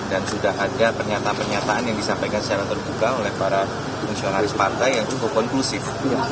dan sudah ada pernyataan pernyataan yang disampaikan secara terbuka oleh para fungsionalis partai yang cukup konklusif